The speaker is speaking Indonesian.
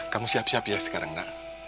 kamu siap siap ya sekarang nak